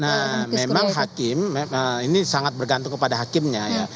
nah memang hakim ini sangat bergantung kepada hakimnya ya